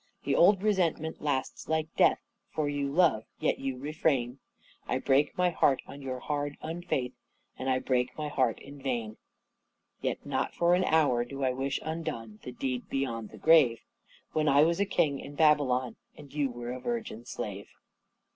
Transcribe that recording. The old resentment lasts like death, For you love, yet you refrain. I break my heart on your hard unfaith, And I break my heart in vain. Yet not for an hour do I wish undone The deed beyond the grave, When I was a King in Babylon And you were a Virgin Slave.